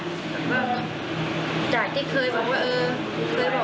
แบบว่าจากที่เคยบอกว่าเออ